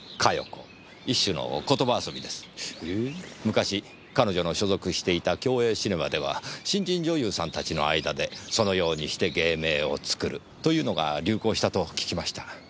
昔彼女の所属していた共映シネマでは新人女優さんたちの間でそのようにして芸名を作るというのが流行したと聞きました。